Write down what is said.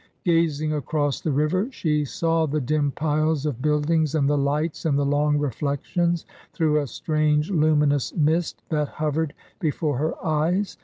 Gazing across the river, she saw the dim piles of build ings and the lights and the long reflections, through a strange, luminous mist that hovered before her eyes.